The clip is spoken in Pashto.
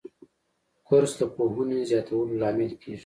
کورس د پوهې زیاتولو لامل کېږي.